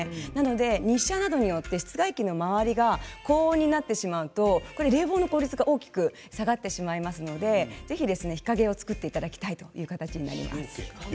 日射などによって室外機の周りが高温になってしまうと冷房の効率が大きく下がってしまいますのでぜひ日陰を作っていただきたいという形になります。